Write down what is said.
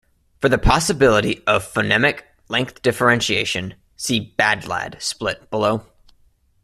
For the possibility of phonemic length differentiation, see "bad-lad" split, below.